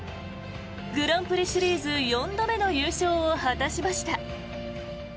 グランプリシリーズ４度目の優勝を果たしました。